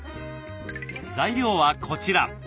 材料はこちら。